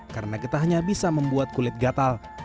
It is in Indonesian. karena getahnya bisa membuat kulit gatal